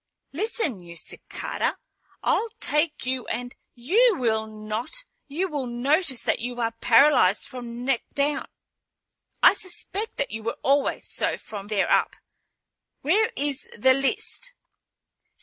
"Listen, you cicada, I'll take you and " "You will not. You will notice that you are paralyzed from the neck down. I suspect that you were always so from there up. Where is the list?"